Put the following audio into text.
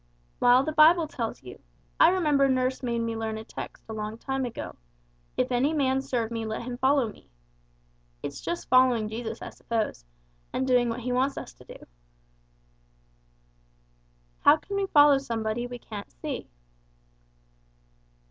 "Well, the Bible tells you. I remember nurse made me learn a text a long time ago, 'If any man serve me let him follow me.' It's just following Jesus I suppose, and doing what He wants us to do." "How can we follow somebody we can't see?"